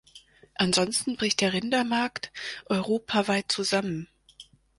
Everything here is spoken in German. Ansonsten bricht der Rindermarkt europaweit zusammen.